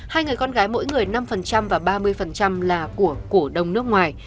hai người con gái mỗi người năm và ba mươi là của cổ đông nước ngoài